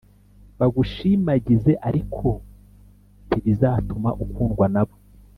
bagushimagize ariko ntibizatuma ukundwa nabo